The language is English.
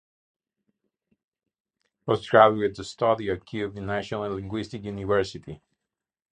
Postgraduate study at Kyiv National Linguistic University.